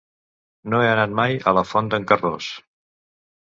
No he anat mai a la Font d'en Carròs.